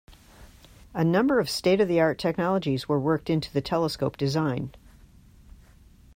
A number of state-of-the-art technologies were worked into the telescope design.